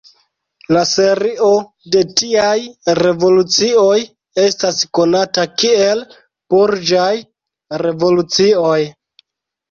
La serio de tiaj revolucioj estas konata kiel Burĝaj revolucioj.